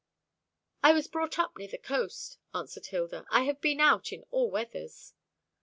"I was brought up near the coast," answered Hilda. "I have been out in all weathers."